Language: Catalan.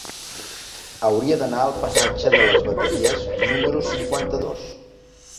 Hauria d'anar al passatge de les Bateries número cinquanta-dos.